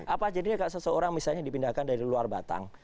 apa jadinya seseorang misalnya dipindahkan dari luar batang